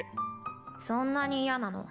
そんなに嫌なの？